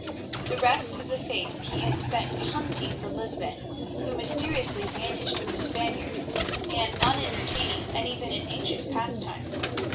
The rest of the fete he had spent hunting for Lysbeth, who mysteriously vanished with the Spaniard, an unentertaining and even an anxious pastime.